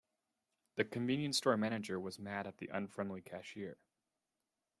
The convenience store manager was mad at the unfriendly cashier.